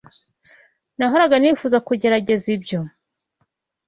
Nahoraga nifuza kugerageza ibyo.